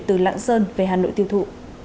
từ lạng sơn về hà nội tiêu thụ